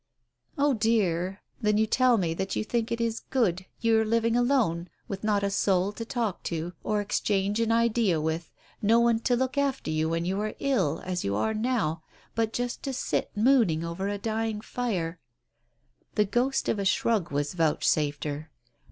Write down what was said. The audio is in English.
"Oh, dear I Then you tell me that you think it is good, your living alone, with not a soul to talk to, or exchange an idea with, no one to look after you when you are ill, as you are now, but just to sit mooning over a dying fire " The ghost of a shrug was vouchsafed her.